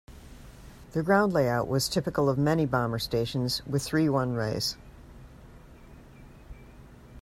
The ground layout was typical of many bomber stations, with three runways.